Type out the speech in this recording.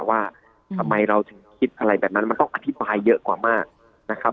ว่าทำไมเราถึงคิดอะไรแบบนั้นมันต้องอธิบายเยอะกว่ามากนะครับ